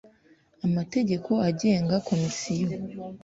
amategeko angenga komisiyo.